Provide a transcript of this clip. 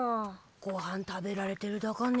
ごはん食べられてるだかね。